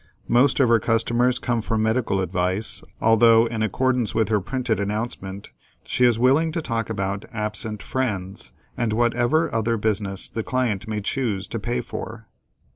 Most of her customers come for medical advice, although, in accordance with her printed announcement, she is willing to talk about "absent friends," and whatever other business the client may choose to pay for.